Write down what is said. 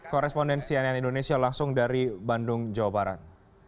koresponden cnn indonesia langsung dari bandung jawa barat